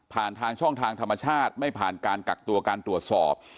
ทางช่องทางธรรมชาติไม่ผ่านการกักตัวการตรวจสอบ